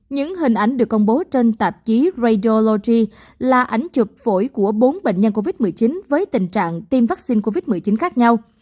những hình ảnh được công bố trên tạp chí redology là ảnh chụp phổi của bốn bệnh nhân covid một mươi chín với tình trạng tiêm vaccine covid một mươi chín khác nhau